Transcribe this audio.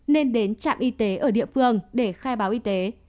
nên đến trạm y tế ở địa phương để khai báo y tế